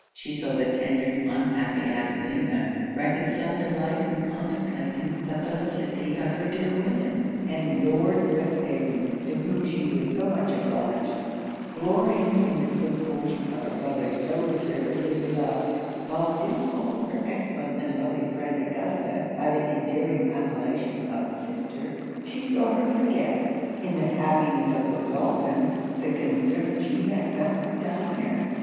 She saw the tender, unhappy Adelina, reconciled to life in contemplating the felicity of her dear William; and Lord Westhaven, to whom she was so much obliged, glorying in the good fortune of a brother so deservedly beloved; while still calling her excellent and lovely friend Augusta by the endearing appellation of sister, she saw her forget, in the happiness of Godolphin, the concern she had felt for Delamere.